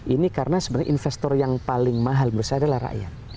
ini karena investor yang paling mahal berseharilah rakyat